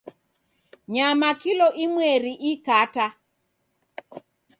Nyama kilo imweri ikata